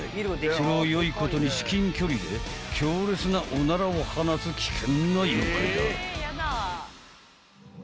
［それをよいことに至近距離で強烈なおならを放つ危険な妖怪だ］